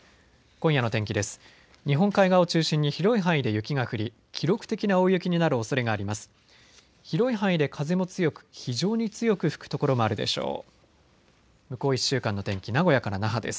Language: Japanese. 今夜の天気です。